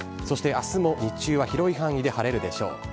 そしてあすも日中は広い範囲で晴れるでしょう。